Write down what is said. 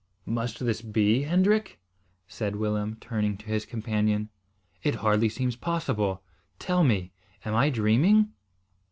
"Must this be, Hendrik?" said Willem, turning to his companion. "It hardly seems possible. Tell me, am I dreaming?"